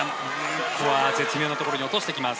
ここは絶妙なところに落としてきます。